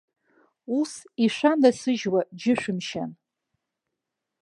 Ус ишәанасыжьуа џьышәымшьан.